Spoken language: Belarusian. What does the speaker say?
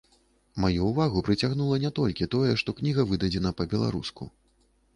Маю ўвагу прыцягнула не толькі тое, што кніга выдадзена па-беларуску.